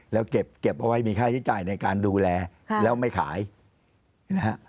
แล้วเก็บเอาไว้มีค่าใช้จ่ายในการดูแลแล้วไม่ขายนะฮะ